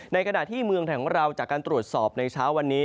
ในขณะที่เมืองไทยของเราจากการตรวจสอบในเช้าวันนี้